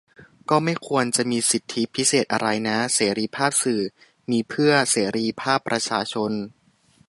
ก็ไม่ควรจะมีสิทธิพิเศษอะไรนะ - เสรีภาพสื่อมีเพื่อเสรีภาพประชาชน